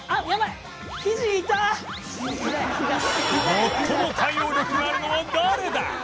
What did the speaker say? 最も対応力があるのは誰だ！？